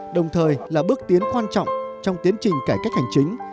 đồng thời là bước tiến quan trọng trong tiến trình cải cách hành chính